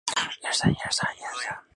开凿和竖立方尖碑是一项艰巨工程。